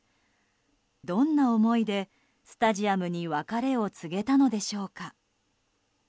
どんな思いでスタジアムに別れを告げたのでしょうか。